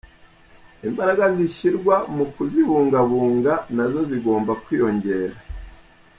Imbaraga zishyirwa mu kuzibungabunga na zo zigomba kwiyongera.